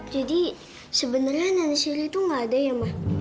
jadi sebenarnya nenek siri itu nggak ada ya ma